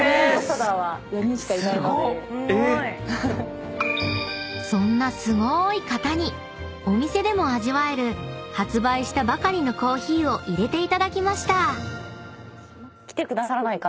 え⁉［そんなすごーい方にお店でも味わえる発売したばかりのコーヒーを入れていただきました］